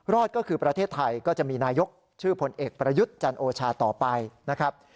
ก็คือประเทศไทยก็จะมีนายกชื่อพลเอกประยุทธ์จันโอชาต่อไปนะครับ